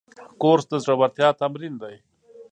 کورس د زړورتیا تمرین دی.